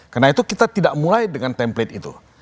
karena itu kita tidak mulai dengan template itu